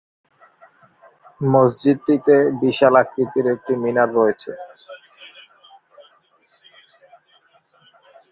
মসজিদটিতে বিশাল আকৃতির একটি মিনার রয়েছে।